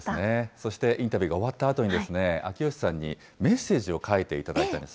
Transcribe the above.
そしてインタビューが終わったあとに、秋吉さんにメッセージを書いていただいたんです。